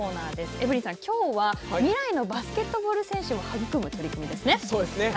エブリンさん、きょうは、未来のバスケットボール選手を育む取りそうですね。